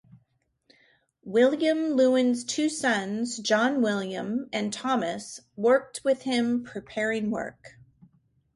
William Lewin's two sons, John William and Thomas, worked with him preparing work.